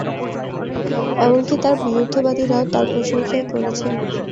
এমন কি তাঁর বিরুদ্ধবাদীরাও তাঁর প্রশংসাই করেছে।